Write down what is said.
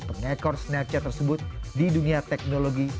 pengekor snapchat tersebut di dunia teknologi